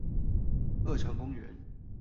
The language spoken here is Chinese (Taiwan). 二常公園